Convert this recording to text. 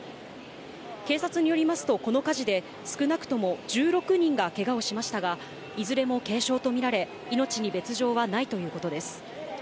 警察によりますと、この火事で、少なくとも１６人がけがをしましたが、いずれも軽症と見られ、命に別状はないということです。